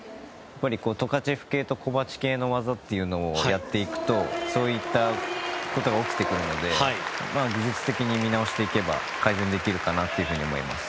トカチェフ系とコバチ系の技をやっていくとそういったことが起きてくるので技術的に見直していけば改善できるかなと思います。